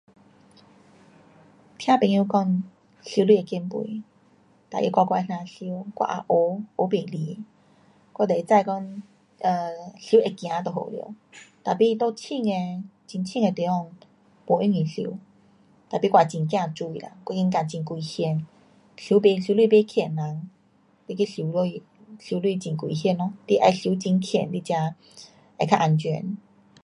听朋友说游泳会减肥。da 他跟我说那天游我也学不来。我就知道讲 um 游会走就好了 tapi 在深的很深的地方不容易游。tapi 我也很怕水啦。我应该很危险。游不，游泳不佳的人你去游泳游泳很危险咯。你要游很佳你才会较安全。